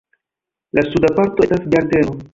La suda parto estas ĝardeno.